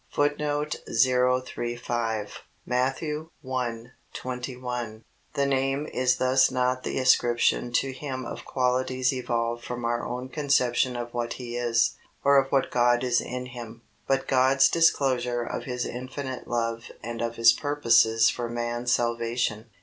" The name is thus not the ascription to Him of qualities evolved from our own conception of what He is, or of what God is in Him, but God's disclosure of His infinite love and of His purposes for man's salvation.